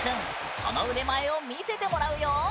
その腕前を見せてもらうよ！